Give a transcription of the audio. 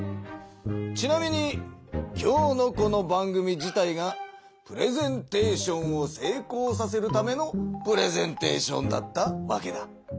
ちなみに今日のこの番組自体がプレゼンテーションをせいこうさせるためのプレゼンテーションだったわけだ。